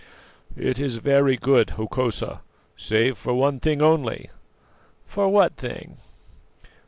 "It is very good, Hokosa save for one thing only." "For what thing?"